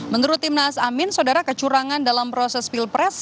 menurut tim nas amin sodara kecurangan dalam proses pilpres